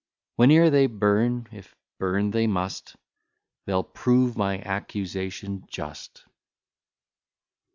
Whene'er they burn, if burn they must, They'll prove my accusation just.